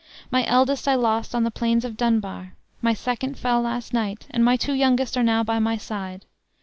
My eldest I lost on the plains of Dunbar. My second fell last night; and my two youngest are now by my side.